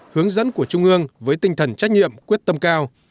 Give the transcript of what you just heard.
hướng dẫn của trung ương với tinh thần trách nhiệm quyết tâm cao